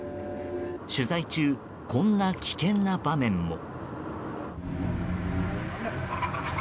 取材中、こんな危険な場面も。